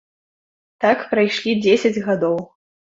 Так прайшлі дзесяць гадоў.